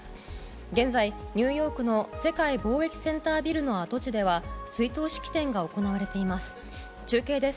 現在、ニューヨークの世界貿易センタービルの跡地では追悼式典が行われています。